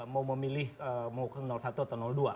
mau memilih mau ke satu atau dua